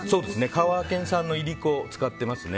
香川県産のいりこを使ってます。